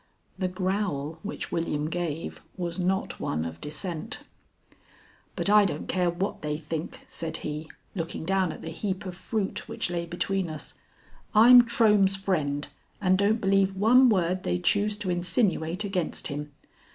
The growl which William gave was not one of dissent. "But I don't care what they think," said he, looking down at the heap of fruit which lay between us. "I'm Trohm's friend, and don't believe one word they choose to insinuate against him.